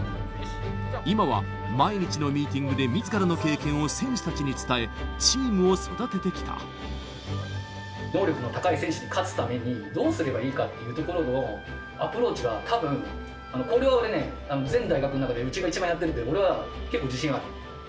今は毎日のミーティングで、みずからの経験を選手たちに伝え、能力の高い選手に勝つために、どうすればいいかというところのアプローチはたぶん、これは俺ね、全大学の中で、うちが一番やってるって、俺は結構自信がある。